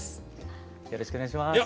よろしくお願いします。